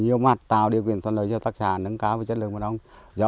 huyện cũng đã tạo điều kiện giúp cho người dân về giống